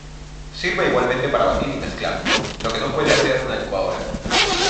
Sirve igualmente para batir y mezclar, lo que no puede hacer una licuadora.